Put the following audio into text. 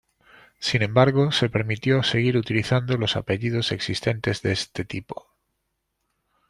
Sin embargo, se permitió seguir utilizando los apellidos existentes de este tipo.